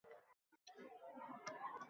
Suyib yurak ocholmaganlar